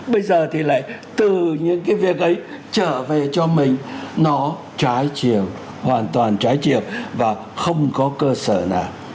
bây giờ thì lại từ những cái việc ấy trở về cho mình nó trái chiều hoàn toàn trái chiều và không có cơ sở nào